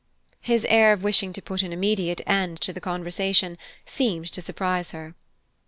His air of wishing to put an immediate end to the conversation seemed to surprise her.